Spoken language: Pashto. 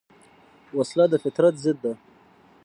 وسله د فطرت ضد ده